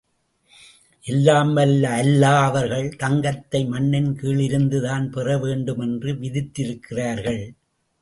எல்லாம்வல்ல அல்லா அவர்கள் தங்கத்தை மண்ணின் கீழிருந்துதான் பெற வேண்டுமென்று விதித்திருக்கிறார்கள்.